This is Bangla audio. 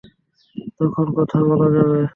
তখন কথা বলা যাবে।